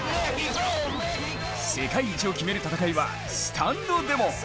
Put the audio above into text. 世界一を決める戦いはスタンドでも。